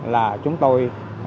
là chúng tôi